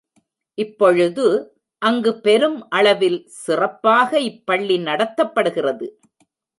இப்பொழுது அங்குப் பெரும் அளவில் சிறப்பாக இப் பள்ளி நடத்தப்படுகிறது.